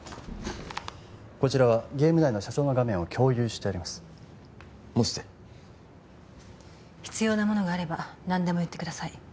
こちらはゲーム内の社長の画面を共有してあります持ってて必要なものがあれば何でも言ってください